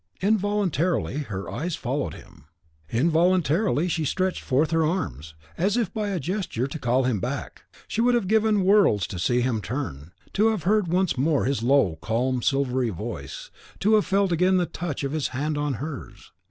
Involuntarily her eyes followed him, involuntarily she stretched forth her arms, as if by a gesture to call him back; she would have given worlds to have seen him turn, to have heard once more his low, calm, silvery voice; to have felt again the light touch of his hand on hers.